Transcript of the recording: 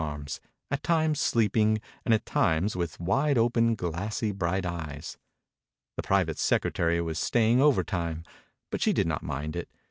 arms, at times sleeping and at times with wide open, glassy, bright eyes. The private secre tary was staying overtime, but she did not mind it.